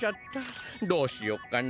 どうしよっかな。